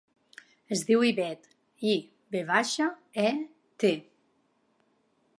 Es diu Ivet: i, ve baixa, e, te.